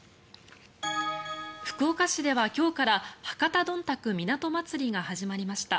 福岡市では今日から博多どんたく港まつりが始まりました。